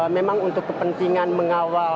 memang untuk kepentingan mengawal